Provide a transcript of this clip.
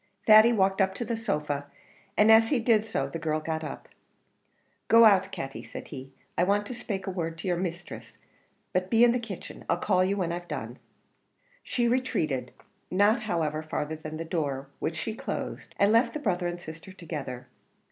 Thady walked up to the sofa, and as he did so the girl got up. "Go out, Katty," said he, "I want to spake a word to your misthress, but be in the kitchen; I'll call you when I've done." She retreated, not, however, farther than the door, which she closed, and left the brother and sister together.